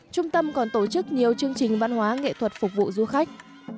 trung tâm còn tổ chức nhiều chương trình văn hóa nghệ thuật phục vụ du khách